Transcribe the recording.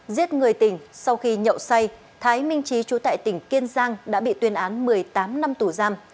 giết người tỉnh sau khi nhậu say thái minh trí chú tại tỉnh kiên giang đã bị tuyên án một mươi tám năm tù giam